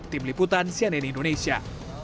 tim liputan cnn indonesia